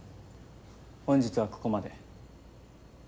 本日はここまで。